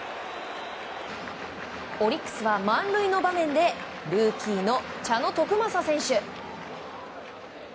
オリックスは満塁の場面でルーキーの茶野篤政選手。